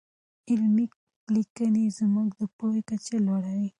علمي لیکنې زموږ د پوهې کچه لوړوي.